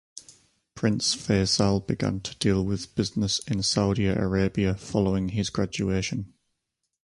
Prince Faisal began to deal with business in Saudi Arabia following his graduation.